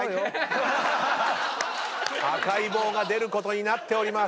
赤い棒が出ることになっております。